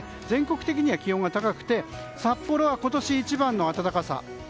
全国的には気温が高くて札幌は今年一番の暖かさ。